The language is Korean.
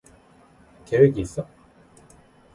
계획이 있어?